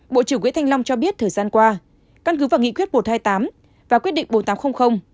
bộ trưởng nguyễn thanh long cho biết thời gian qua căn cứ vào nghị quyết một trăm hai mươi tám và quyết định bốn nghìn tám trăm linh